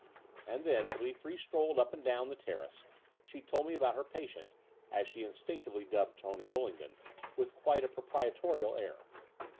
And then, as we three strolled up and down the terrace, she told me about her patient, as she in stinctively dubbed Tony Bullingdon, with quite a proprietorial air.